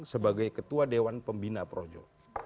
sebagai ketua dewan pembina projo